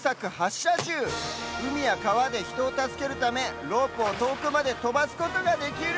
うみやかわでひとをたすけるためロープをとおくまでとばすことができる！